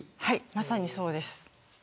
まさにそうです。